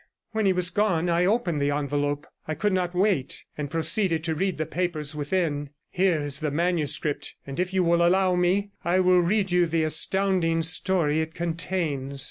When he was gone I opened the envelope; I could not wait, and proceeded to read the papers within. Here is the manuscript, and if you will allow me, I will read you the astounding story it contains.